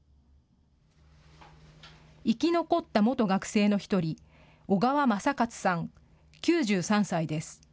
生き残った元学生の１人、小川正勝さん、９３歳です。